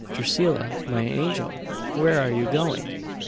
"Drusilla, my angel! where are you going?"